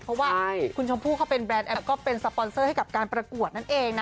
เพราะว่าคุณชมพู่เขาเป็นแรนดแอปก็เป็นสปอนเซอร์ให้กับการประกวดนั่นเองนะ